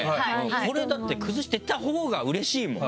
これだって崩してたほうがうれしいもん。